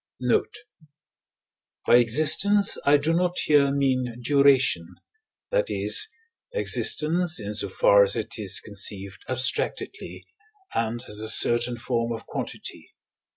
Note. By existence I do not here mean duration that is, existence in so far as it is conceived abstractedly, and as a certain form of quantity.